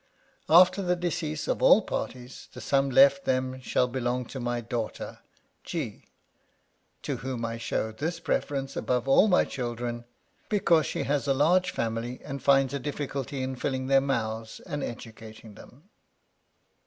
After the decease of all parties, the sum left them shall belong to my daughter G , to whom I show this preference, above all my children, because she has a large family and finds a difficulty in filling their mouths and educat ing them.